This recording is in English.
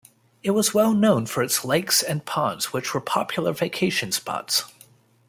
It was well known for its lakes and ponds, which were popular vacation spots.